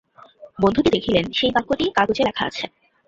বন্ধুটি দেখিলেন, সেই বাক্যটিই কাগজে লেখা আছে।